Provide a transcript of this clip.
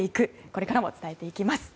これからも伝えていきます。